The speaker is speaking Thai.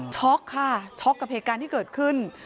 ช็อกค่ะช็อกกับเหตุการณ์ที่เกิดขึ้น